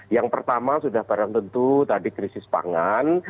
yang pertama sudah barang tentu tadi krisis pangan